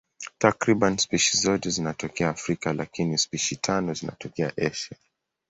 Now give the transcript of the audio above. Takriban spishi zote zinatokea Afrika, lakini spishi tano zinatokea Asia.